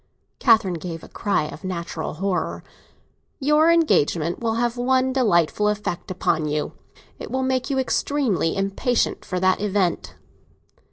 Catherine gave a cry of natural horror. "Your engagement will have one delightful effect upon you; it will make you extremely impatient for that event."